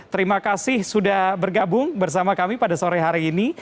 terima kasih sudah bergabung bersama kami pada sore hari ini